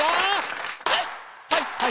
はい！